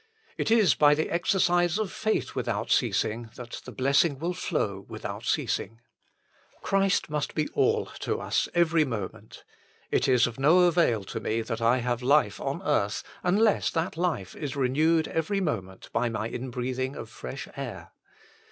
It is by the exercise of faith without ceasing that the blessing will flow without ceasing. Christ must be all to us every moment. It is of no avail to me that I have life on earth unless that life is renewed every moment by my inbreathing of fresh air.